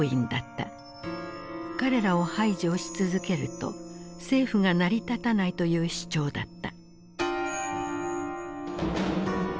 彼らを排除し続けると政府が成り立たないという主張だった。